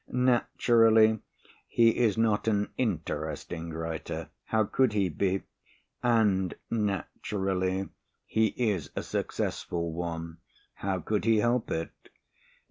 Naturally he is not an interesting writer. How could he be? And, naturally, he is a successful one. How could he help it?